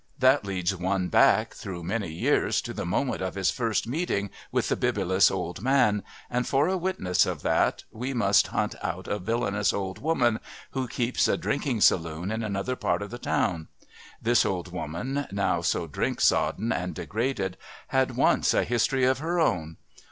That leads one back, through many years, to the moment of his first meeting with the bibulous old man, and for a witness of that we must hunt out a villainous old woman who keeps a drinking saloon in another part of the town. This old woman, now so drink sodden and degraded, had once a history of her own.